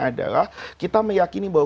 adalah kita meyakini bahwa